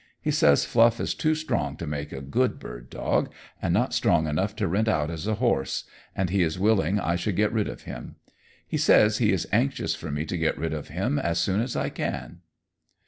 He says Fluff is too strong to make a good bird dog, and not strong enough to rent out as a horse, and he is willing I should get rid of him. He says he is anxious for me to get rid of him as soon as I can."